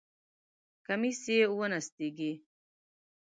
کمیس یې ونستېږی!